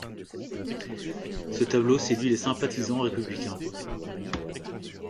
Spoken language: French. Ce tableau séduit les sympathisants républicains.